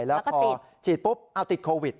แล้วก็ฉีดปุ๊บติดโควิด